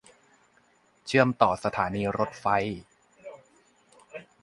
เชื่อมต่อสถานีรถไฟ